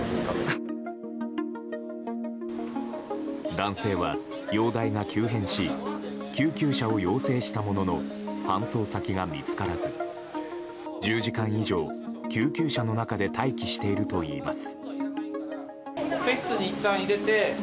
男性は容体が急変し救急車を要請したものの搬送先が見つからず１０時間以上救急車の中で待機しているといいます。